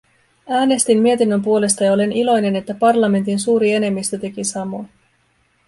Äänestin mietinnön puolesta ja olen iloinen, että parlamentin suuri enemmistö teki samoin.